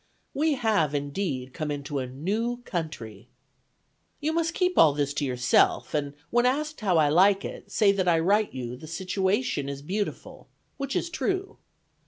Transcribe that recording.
We have, indeed, come into a new country. "You must keep all this to yourself, and, when asked how I like it, say that I write you the situation is beautiful, which is true.